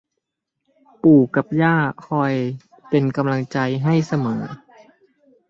ปู่กับย่าคอยเป็นกำลังใจให้เสมอ